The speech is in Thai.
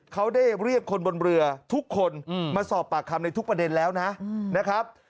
เขาได้เรียกคนบนเรือทุกคนมาสอบปากคำในทุกประเด็นแล้วนะครับ